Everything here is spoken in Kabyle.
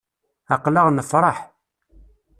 Aql-aɣ nefṛeḥ.